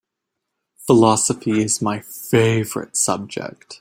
Philosophy is my favorite subject.